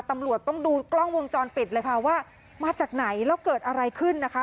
ตำรวจต้องดูกล้องวงจรปิดเลยค่ะว่ามาจากไหนแล้วเกิดอะไรขึ้นนะคะ